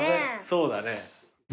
そうだね。